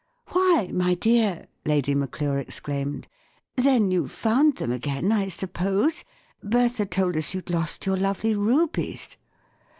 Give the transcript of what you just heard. " Why, my dear !" Lady Maclure exclaimed, " then you've found them again, I suppose ? Bertha told us you'd lost your lovely rubies